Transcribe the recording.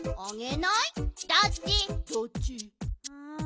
うん。